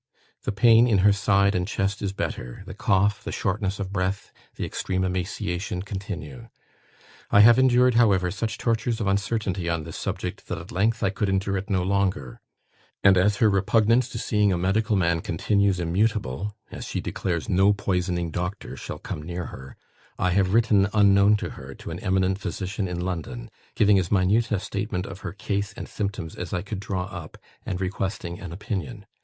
The pain in her side and chest is better; the cough, the shortness of breath, the extreme emaciation continue. I have endured, however, such tortures of uncertainty on this subject that, at length, I could endure it no longer; and as her repugnance to seeing a medical man continues immutable, as she declares 'no poisoning doctor' shall come near her, I have written unknown to her, to an eminent physician in London, giving as minute a statement of her case and symptoms as I could draw up, and requesting an opinion.